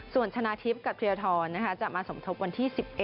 ส่วนชนะทิพย์กับเทียทรจะมาสมทบวันที่๑๑